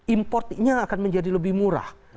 importnya akan menjadi lebih murah